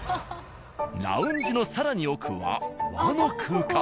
ラウンジの更に奥は和の空間。